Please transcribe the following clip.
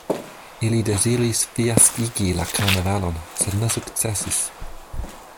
Ili deziris fiaskigi la karnavalon, sed ne sukcesis.